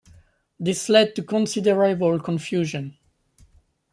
This led to considerable confusion.